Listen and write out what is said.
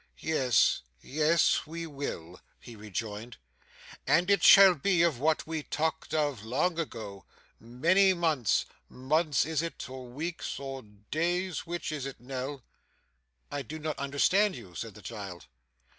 'Yes, yes, we will,' he rejoined. 'And it shall be of what we talked of long ago many months months is it, or weeks, or days? which is it Nell?' 'I do not understand you,' said the child.